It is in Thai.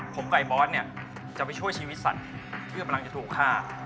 ผมไก่บอสเนี่ยจะไปช่วยชีวิตสัตว์ที่กำลังจะถูกฆ่า